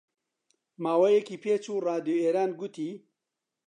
ماوەیەکی پێچوو ڕادیۆ ئێران گوتی: